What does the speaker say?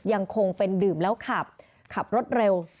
ยังคงเป็นดื่มแล้วขับขับรถเร็ว